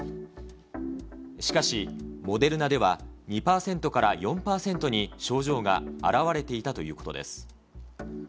しかし、モデルナでは２％から４％に症状が現れていたということです。